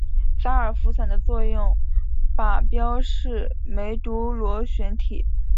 洒尔佛散的作用靶标是梅毒螺旋体。